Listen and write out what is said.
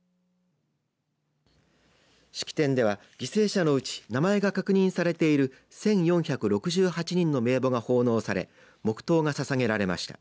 式典では犠牲者のうち名前が確認されている１４６８人の名簿が奉納され黙とうがささげられました。